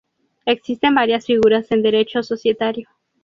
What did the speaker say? Existen varias figuras en Derecho societario.